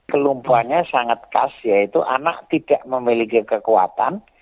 kelumpuannya sangat khas yaitu anak tidak memiliki kekuatan